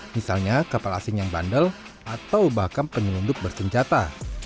misalnya kapal asing yang bandel atau bahkan penyelundup bersenjata